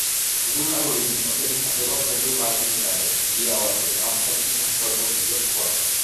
ვულკანური გუმბათები გვხვდება კუნძულ მარტინიკაზე, იავაზე, კამჩატკის ნახევარკუნძულზე და სხვა.